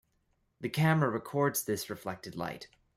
The camera records this reflected light.